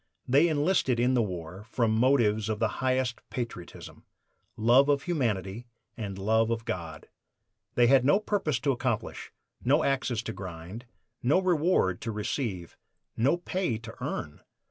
They "enlisted in the war" from motives of the highest patriotism love of humanity and love of God. They had no purpose to accomplish, no axes to grind, no reward to receive, no pay to earn!